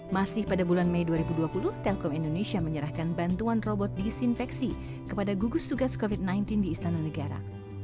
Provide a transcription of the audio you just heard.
masih pada bulan mei dua ribu dua puluh telkom indonesia menyerahkan bantuan robot disinfeksi kepada gugus tugas covid sembilan belas di istana negara